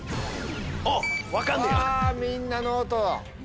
うわみんな「ノート」！